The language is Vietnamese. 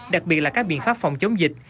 đặc biệt là các biện pháp phòng chống dịch